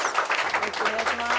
よろしくお願いします。